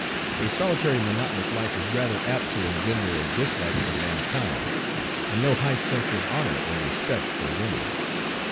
A solitary monotonous life is rather apt to engender a dislike for mankind, and no high sense of honor or respect for women.